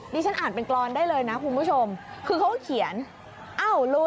ฉันอ่านเป็นกรอนได้เลยนะคุณผู้ชมคือเขาก็เขียนอ้าวลุง